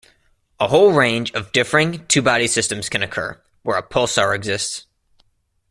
A whole range of differing two-body systems can occur, where a pulsar exists.